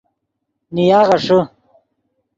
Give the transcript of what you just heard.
نیا غیݰے